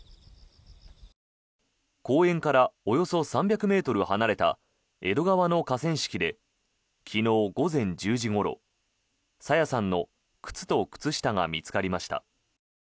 公園からおよそ３００ｍ離れた江戸川の河川敷で昨日午前１０時ごろ朝芽さんの靴と靴下が見つかりました。